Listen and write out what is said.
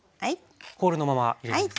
ホールのまま入れるんですね。